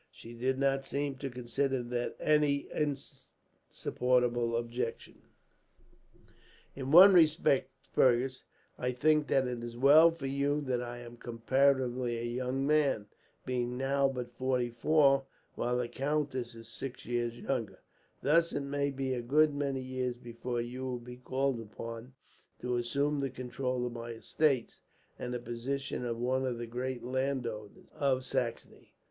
She did not seem to consider that any insupportable objection. "In one respect, Fergus, I think that it is well for you that I am comparatively a young man; being now but forty four, while the countess is six years younger; thus it may be a good many years before you will be called upon to assume the control of my estates, and the position of one of the great landowners of Saxony.